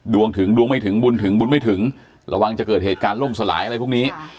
ถึงดวงไม่ถึงบุญถึงบุญไม่ถึงระวังจะเกิดเหตุการณ์ล่มสลายอะไรพวกนี้